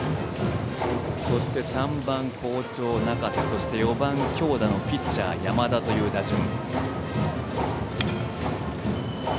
そして３番は好調の中瀬そして、４番強打のピッチャー山田という打順。